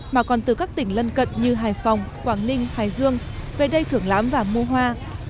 mà còn từ các tỉnh lân cận như hải phòng quảng ninh hải dương về đây thưởng lãm và mua hoa